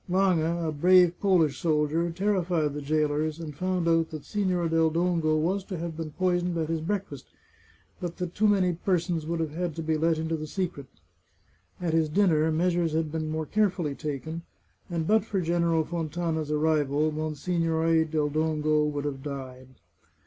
Lange, a brave Polish soldier, ter rified the jailers, and found out that Signor del Dongo was to have been poisoned at his breakfast, but that too many persons would have had to have been let into the secret. At his dinner, measures had been more carefully taken, and but for General Fontana's arrival, Monsignore del Dongo would have died.